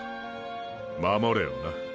守れよな。